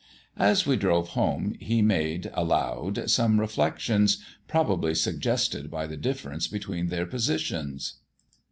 As we drove home he made, aloud, some reflections, probably suggested by the difference between their positions.